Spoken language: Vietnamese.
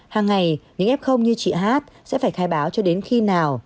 hàng ngày những f như chị hát sẽ phải khai báo cho đến khi nào